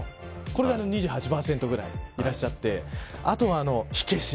これが２８％ぐらいいらっしゃってあとは火消し。